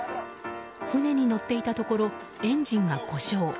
船に乗っていたところエンジンが故障。